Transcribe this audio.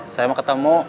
saya mau ketemu